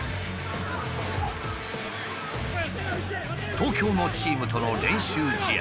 東京のチームとの練習試合。